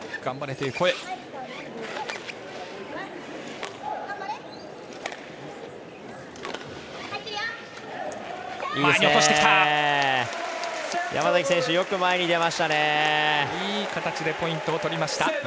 いい形でポイントを取りました。